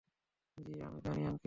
জি, আমি জানি, আঙ্কেল!